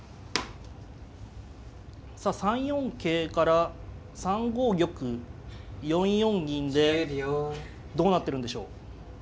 さあ３四桂から３五玉４四銀でどうなってるんでしょう。